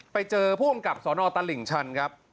ไปเจอผู้กำกับสนตลิ่งชันครับ